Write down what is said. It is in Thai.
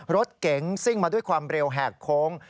รถเก๋งซิ่งมาด้วยความเร็วแหกโค้ง